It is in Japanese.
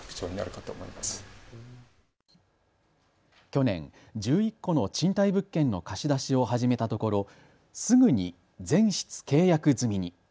去年、１１戸の賃貸物件の貸し出しを始めたところすぐに全室契約済みに。